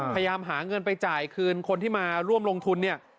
พยายามหาเงินไปจ่ายคืนคนที่มาร่วมลงทุนเนี่ย